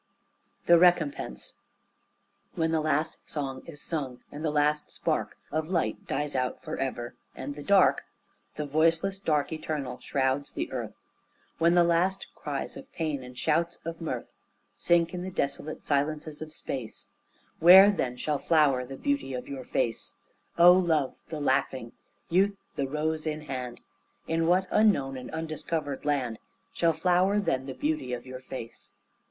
THE RECOMPENSE When the last song is sung, and the last spark Of light dies out forever, and the dark, The voiceless dark eternal shrouds the earth; When the last cries of pain and shouts of mirth Sink in the desolate silences of space; Where then shall flower the beauty of your face, O Love the laughing, Youth the rose in hand, In what unknown and undiscovered land Shall flower then the beauty of your face?